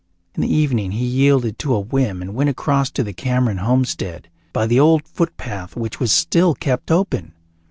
In the evening he yielded to a whim and went across to the Cameron homestead, by the old footpath which was still kept open.